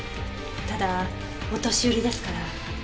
ただお年寄りですから。